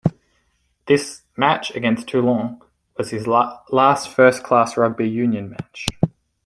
This match against Toulon was his last first-class rugby union match.